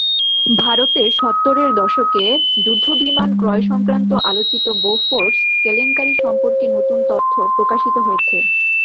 ভারতে সত্তরের দশকে যুদ্ধবিমান ক্রয়সংক্রান্ত আলোচিত বোফোর্স কেলেঙ্কারি সম্পর্কে নতুন তথ্য প্রকাশিত হয়েছে।